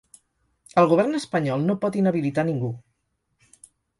El govern espanyol no pot inhabilitar ningú.